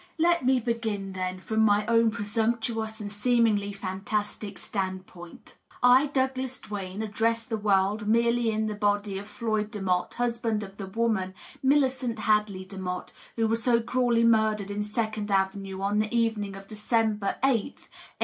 Let me begin, then, from my own presumptuous and seemingly fantastic stand point. I, Douglas Duane, address the world merely in the body of Floyd Demotte, husband of the woman, Millicent Hadley Demotte, who was so cruelly murdered in Second Avenue on the even ing of December 8th, 188